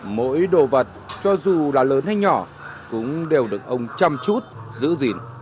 mỗi đồ vật cho dù là lớn hay nhỏ cũng đều được ông chăm chút giữ gìn